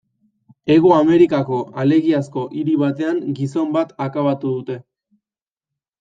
Hego Amerikako alegiazko hiri batean gizon bat akabatu dute.